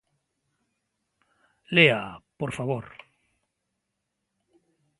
Léaa, por favor.